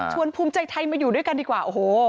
ภูมิใจไทยมาอยู่ด้วยกันดีกว่าโอ้โห